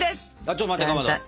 ちょっと待ってかまど。